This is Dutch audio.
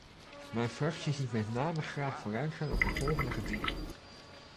Mijn fractie ziet met name graag vooruitgang op de volgende gebieden.